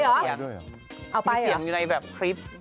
มีเสียงอยู่ในแบบคลิป